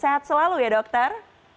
sehat selalu ya dokter